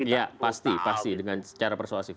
ya pasti pasti dengan secara persuasif